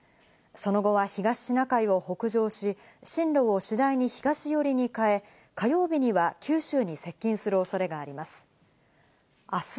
その後は東シナ海を北上し、進路を次第に東寄りに変え、火曜日には九州に接近するおそれがあります。